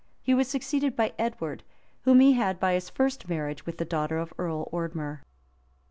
He was succeeded by Edward, whom he had by his first marriage with the daughter of Earl Ordmer.